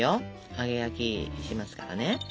揚げ焼きしますからね。